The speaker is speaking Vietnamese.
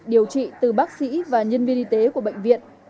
điều trị từ bác sĩ và nhân viên y tế của bệnh viện